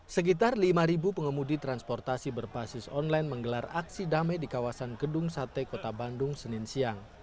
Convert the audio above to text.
sekitar lima pengemudi transportasi berbasis online menggelar aksi damai di kawasan gedung sate kota bandung senin siang